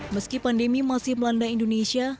meski pandemi masih melanda indonesia